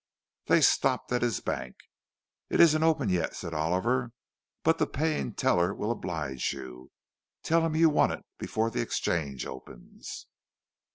They stopped at his bank. "It isn't open yet,—" said Oliver, "but the paying teller will oblige you. Tell him you want it before the Exchange opens."